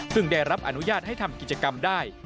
ซึ่งได้รับอนุญาตให้ทำกิจกรรมได้